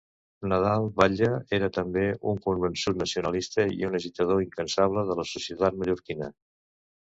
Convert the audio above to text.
Nadal Batle era també un convençut nacionalista i un agitador incansable de la societat mallorquina.